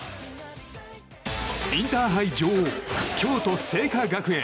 インターハイ女王京都精華学園。